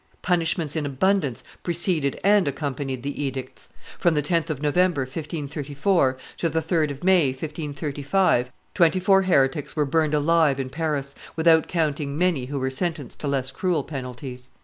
Punishments in abundance preceded and accompanied the edicts; from the 10th of November, 1534, to the 3d of May, 1535, twenty four heretics were burned alive in Paris, without counting many who were sentenced to less cruel penalties.